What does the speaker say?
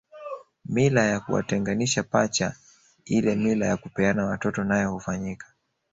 Mila ya kuwatenganisha pacha ile mila ya kupeana watoto nayo hufanyika